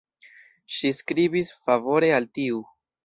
Ŝi skribis favore al tiu.